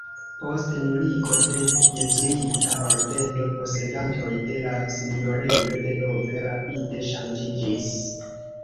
Post nuligo de jezuita ordeno posedantoj de la sinjorejo denove rapide ŝanĝiĝis.